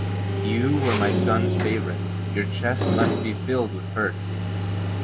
You were my son's favorite, your chest must be filled with hurt.